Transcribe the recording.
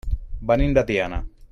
Venim de Tiana.